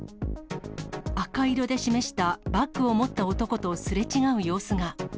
赤色で示したバッグを持った男とすれ違う様子が。